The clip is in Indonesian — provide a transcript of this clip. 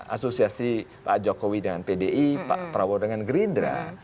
asosiasi pak jokowi dengan pdi pak prabowo dengan gerindra